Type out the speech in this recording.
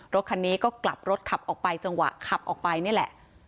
รถนี้ก็กลับรถขับออกไปจังหวะนี่แหละ